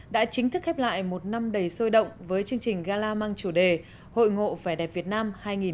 đã chính thức khép lại một năm đầy sôi động với chương trình gala mang chủ đề hội ngộ vẻ đẹp việt nam hai nghìn hai mươi